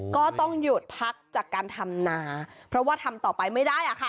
ก็ต้องหยุดพักจากการทำนาเพราะว่าทำต่อไปไม่ได้